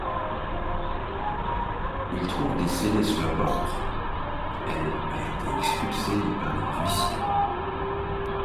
Il trouve des scellés sur la porte, elle a été expulsée par les huissiers.